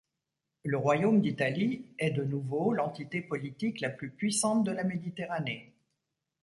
Le royaume d'Italie est, de nouveau, l'entité politique la plus puissante de la Méditerranée.